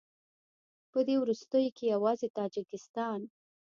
په دې وروستیو کې یوازې تاجکستان